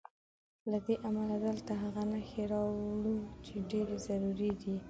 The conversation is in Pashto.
له دې امله دلته هغه نښې راوړو چې ډېرې ضروري دي.